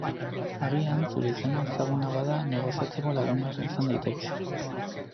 Agian zure izena ezaguna bada, negoziatzeko lagungarri izan daiteke.